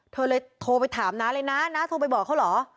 เธอเลยโทรไปถามน้าเลยน้าน้าโทรไปบอกเขาเหรอ